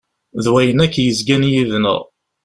D wayen akk yezgan yid-neɣ.